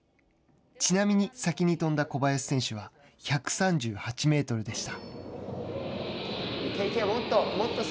ちなみに、先に飛んだ小林選手は１３８メートルでした。